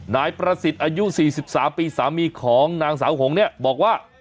นายประสิทธิ์อายุ๔๓ปีสามีของนางสาวหงเนี่ยบอกว่า